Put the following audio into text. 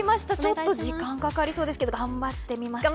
ちょっと時間かかりそうですけど頑張ってみます